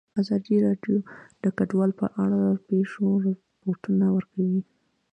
ازادي راډیو د کډوال په اړه د پېښو رپوټونه ورکړي.